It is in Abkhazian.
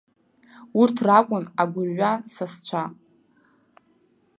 Урҭ ракәын агәырҩа сасцәа.